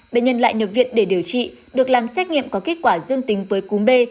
bệnh nhân lại nhập viện để điều trị được làm xét nghiệm có kết quả dương tính với cúm b